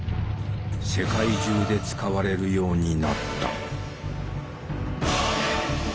世界中で使われるようになった。